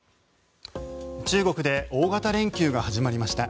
中国で大型連休が始まりました。